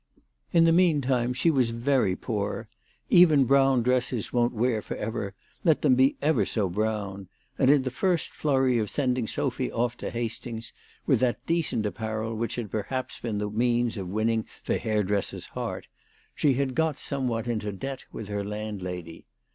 In the meantime she was very poor. Even brown dresses won't wear for ever, let them be ever so brown, and in the first flurry of sending Sophy off to Hastings, with that decent apparel which had perhaps been the means of winning the hairdresser's heart, she had got somewhat into debt with her landlady.